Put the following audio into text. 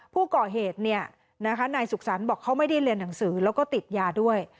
ผู้ก่อเหตุนายสุขสรรค์บอกเขาไม่ได้เรียนหนังสือแล้วก็ติดยาด้วย